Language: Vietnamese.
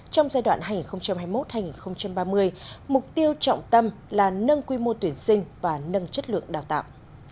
trong giai đoạn hành hai mươi một hai nghìn ba mươi mục tiêu trọng tâm là nâng quy mô tuyển sinh và nâng chất lượng đào tạo